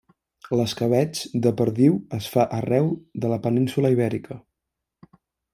L'escabetx de perdiu es fa arreu de la península Ibèrica.